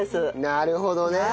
なるほどね。